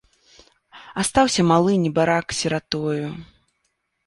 Астаўся малы, небарак, сіратою.